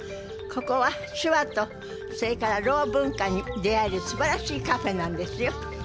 ここは手話とそれからろう文化に出会えるすばらしいカフェなんですよ。